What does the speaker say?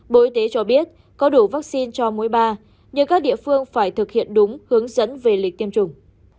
bộ y tế cho biết có đủ vaccine cho mũi ba nhưng các địa phương phải thực hiện đúng hướng dẫn về lịch tiêm chủng